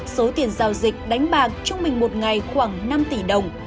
số tiền giao dịch đánh bạc trung bình một ngày khoảng năm tỷ đồng